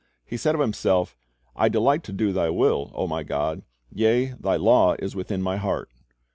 He said of Himself, "I delight to do Thy will, O My God; yea, Thy law is within My heart.'"